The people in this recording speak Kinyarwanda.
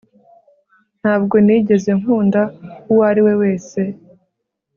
ntabwo nigeze nkunda uwo ari we wese